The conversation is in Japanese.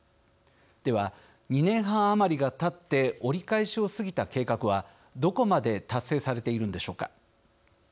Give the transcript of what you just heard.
では２年半余りがたって折り返しを過ぎた計画はどこまで達成されているのでしょうか。